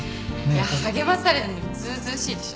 励まされてるのにずうずうしいでしょ。